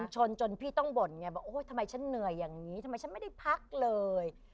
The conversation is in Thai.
จนพี่ต้องบ่นไงบอกโอ๊ยทำไมฉันเหนื่อยอย่างนี้ทำไมฉันไม่ได้พักเลย